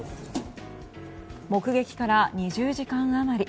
目撃から２０時間余り。